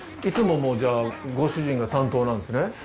いつももうじゃあご主人が担当なんですね？